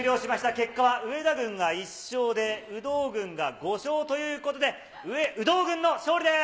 結果は上田軍が１勝で、有働軍が５勝ということで、有働軍の勝利です。